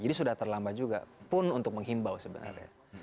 jadi sudah terlambat juga pun untuk menghimbau sebenarnya